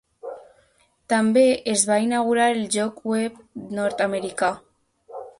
També es va inaugurar el lloc web nord-americà.